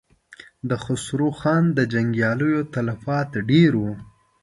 د خسرو خان د جنګياليو تلفات ډېر و.